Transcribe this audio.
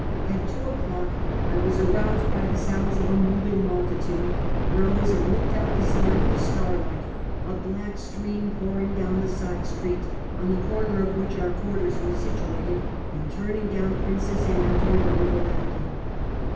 At two o'clock I was aroused by the sounds of a moving multitude, rose and looked out to see, under the starlight, a black stream pouring down the side street, on the corner of which our quarters were situ ated, and turning down Princess Ann, toward the river landing.